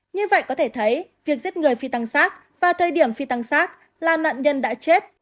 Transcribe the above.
như vậy có thể thấy việc giết người phi tăng sát và thời điểm phi tăng sát là nạn nhân đã chết